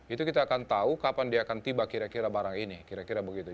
itu kita akan tahu kapan dia akan tiba kira kira barang ini kira kira begitu